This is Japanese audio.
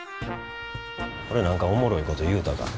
俺何かおもろいこと言うたか？